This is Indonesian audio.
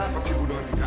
kenapa sih bunuh andika